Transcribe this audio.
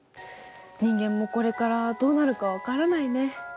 人間もこれからどうなるか分からないね。